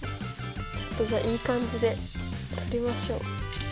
ちょっとじゃあいい感じで撮りましょう。